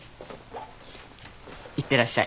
いってらっしゃい。